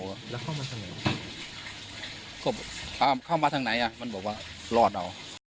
แล้วเข้ามาทางไหนครบเอ้าเข้ามาทางไหนอ่ะมันบอกว่ารอดอ่ะ